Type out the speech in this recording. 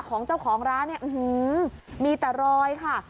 ของเจ้าของร้านเนี่ยมีแต่รอยค่ะ